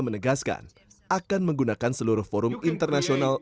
menegaskan akan menggunakan seluruh forum internasional